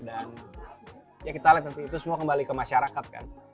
dan ya kita lihat nanti itu semua kembali ke masyarakat kan